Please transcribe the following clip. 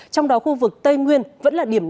trong đó khu vực tây nguyên vẫn là điểm nóng